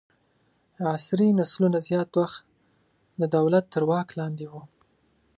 عصري نسلونه زیات وخت د دولت تر واک لاندې وو.